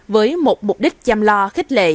với một mục đích chăm lo khích lệ